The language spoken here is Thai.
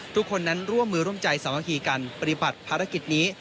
ทุกคนนั้นร่วมมือร่วมใจสามัคคีกันปฏิบัติภารกิจนี้